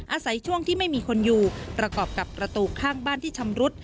อาศัยช่วงที่ไม่มีคนอยู่ประกอบกับประตูข้างบ้านที่ชำรุด